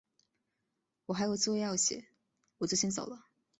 我还有作业要写，我就先走了。